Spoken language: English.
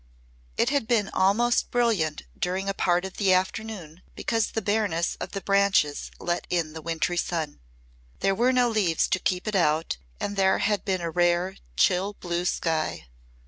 It had been almost brilliant during a part of the afternoon because the bareness of the branches let in the wintry sun. There were no leaves to keep it out and there had been a rare, chill blue sky.